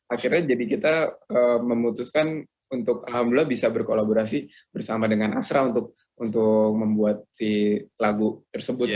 akhirnya jadi kita memutuskan untuk alhamdulillah bisa berkolaborasi bersama dengan astra untuk membuat si lagu tersebut